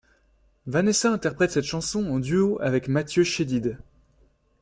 Vanessa interprète cette chanson en duo avec Matthieu Chédid.